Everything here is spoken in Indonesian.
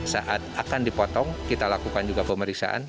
saat akan dipotong kita lakukan juga pemeriksaan